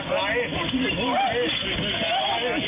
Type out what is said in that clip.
มันไม่เร็วแล้วล่ะ